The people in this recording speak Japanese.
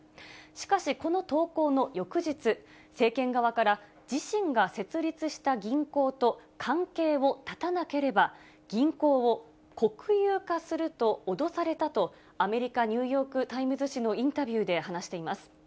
しかし、この投稿の翌日、政権側から、自身が設立した銀行と関係を断たなければ銀行を国有化すると脅されたと、アメリカ、ニューヨークタイムズ紙のインタビューで話しています。